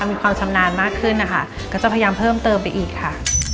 มีความชำนาญมากขึ้นนะคะก็จะพยายามเพิ่มเติมไปอีกค่ะ